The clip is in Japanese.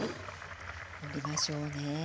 盛りましょうね。